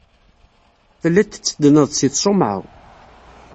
Telliḍ tetteddneḍ-d seg tṣumɛa.